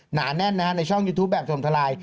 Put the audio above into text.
หนาแน่นในช่องยูทูปแบบสมทราย